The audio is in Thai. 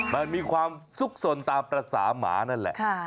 มันมีความสุขสนตามภาษาหมานั่นแหละ